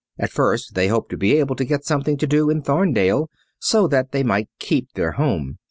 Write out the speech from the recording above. At first they hoped to be able to get something to do in Thorndale, so that they might keep their home.